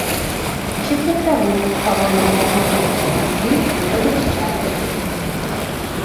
Шчыпле траву, павольна перасоўваючыся па зямлі і робячы частыя прыпынкі.